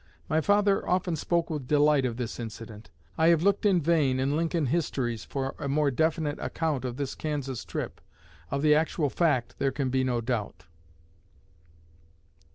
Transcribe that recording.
My father often spoke with delight of this incident. I have looked in vain in Lincoln histories for a more definite account of this Kansas trip. Of the actual fact there can be no doubt."